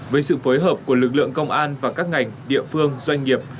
với sự phối hợp của lực lượng công an và các ngành địa phương doanh nghiệp